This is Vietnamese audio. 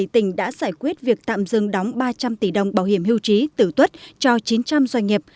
bảy tỉnh đã giải quyết việc tạm dừng đóng ba trăm linh tỷ đồng bảo hiểm hưu trí tử tuất cho chín trăm linh doanh nghiệp